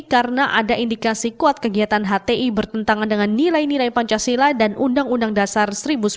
karena ada indikasi kuat kegiatan hti bertentangan dengan nilai nilai pancasila dan undang undang dasar seribu sembilan ratus empat puluh lima